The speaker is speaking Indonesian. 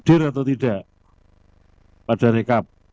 hadir atau tidak pada rekap